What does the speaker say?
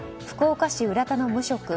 福岡市浦田の無職